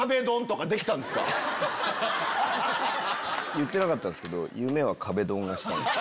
言ってなかったんすけど。